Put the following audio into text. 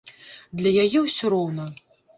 Для яе ўсё роўна!